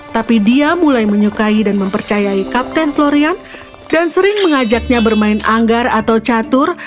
tapi dia mulai menyukai dan mempercayai kapten florian dan sering mengajaknya bermain anggar atau catur